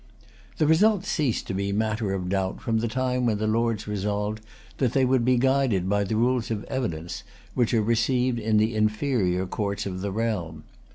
The result ceased to be matter of doubt, from the time when the Lords resolved that they would be guided by the rules of evidence which are received in the inferior courts of the realm.